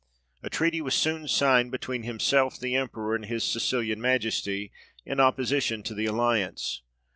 A treaty was soon signed between himself, the Emperor, and his Sicilian Majesty, in opposition to the alliance.